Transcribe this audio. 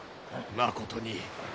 まことに。